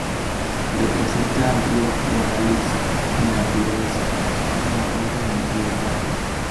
Represa al río Guadalix-Miraflores, en la cuenca del río Tajo.